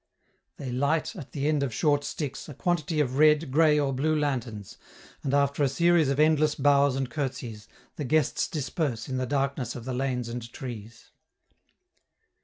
They light, at the end of short sticks, a quantity of red, gray, or blue lanterns, and after a series of endless bows and curtseys, the guests disperse in the darkness of the lanes and trees.